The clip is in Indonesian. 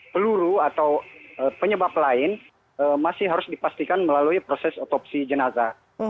peluru atau penyebab lain masih harus dipastikan melalui proses otopsi jenazah